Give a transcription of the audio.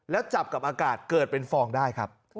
แล้วจับกับอากาศเกิดเป็นฟองได้ครับ